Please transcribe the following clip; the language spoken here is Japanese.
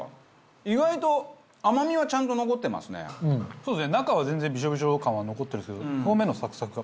そうですね中は全然びしょびしょ感は残ってるんですけど表面のサクサクが。